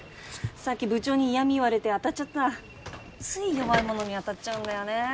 さっき部長に嫌味言われて当たっちゃったつい弱い者に当たっちゃうんだよね